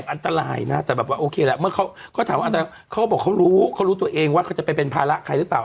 อันตรัอยนะนะแบบว่าโอเคแหละเขาถามเขาอันตรายเขาจ้วยว่าเขารู้ตัวเองว่าอยากไปเป็นภาระใครหรือเปล่า